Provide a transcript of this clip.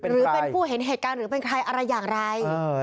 หรือเป็นผู้เห็นเหตุการณ์หรือเป็นใครอะไรอย่างไร